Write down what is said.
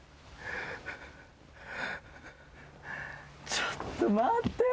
ちょっと待ってよ。